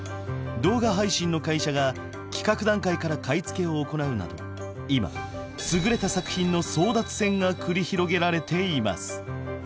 動画配信の会社が企画段階から買い付けを行うなど今優れた作品の争奪戦が繰り広げられています。